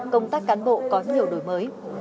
công tác cán bộ có nhiều đổi mới